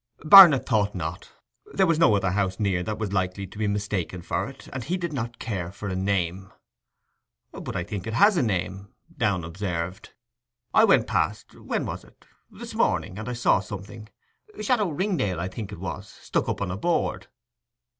Barnet thought not. There was no other house near that was likely to be mistaken for it. And he did not care for a name. 'But I think it has a name!' Downe observed: 'I went past—when was it?—this morning; and I saw something,—"Château Ringdale," I think it was, stuck up on a board!